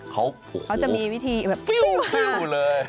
เขาจะมีวิธีแบบฟิวเลย